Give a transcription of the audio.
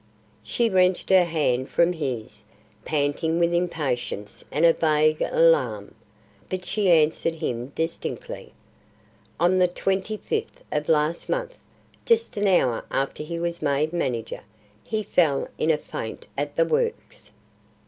She wrenched her hand from his, panting with impatience and a vague alarm. But she answered him distinctly: "On the Twenty fifth of last month, just an hour after he was made manager. He fell in a faint at the Works."